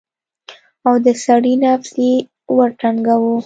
او د سړي نفس يې ورټنگاوه.